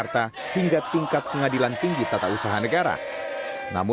tapi itu di prioritas yang mana bu